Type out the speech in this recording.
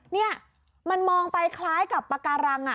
นี่มันมองไปคล้ายกับปากการัง